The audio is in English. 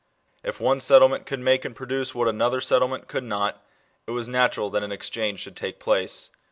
If one settlement could make and produce what another settlement could not, it was natural that an exchange should take place.